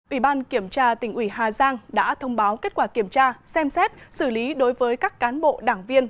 ủy ban kiểm tra tỉnh ủy hà giang đã thông báo kết quả kiểm tra xem xét xử lý đối với các cán bộ đảng viên